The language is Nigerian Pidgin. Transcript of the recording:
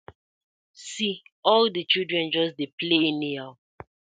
See all dis children just dey play anyhow.